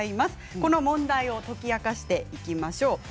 この問題を解き明かしていきましょう。